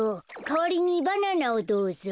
かわりにバナナをどうぞ。